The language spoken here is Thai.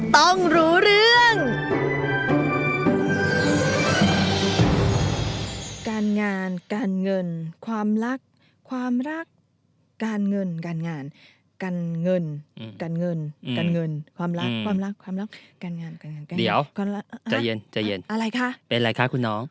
เดี๋ยวจะเย็นอะไรคะคุณหนอง